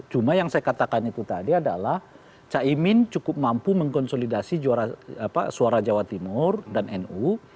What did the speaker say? cuma yang saya katakan itu tadi adalah caimin cukup mampu mengkonsolidasi suara jawa timur dan nu